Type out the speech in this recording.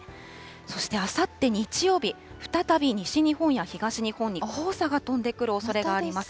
そしてあさって日曜日、再び西日本や東日本に黄砂が飛んでくるおそれがあります。